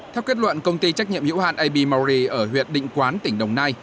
theo kết luận công ty trách nhiệm hữu hạn abmauri ở huyệt định quán tỉnh đồng nai